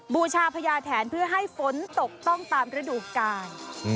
บูชาพญาแถนเพื่อให้ฝนตกต้องตามฤดูกาล